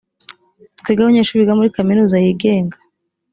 twebwe abanyeshuri biga muri kaminuza yigenga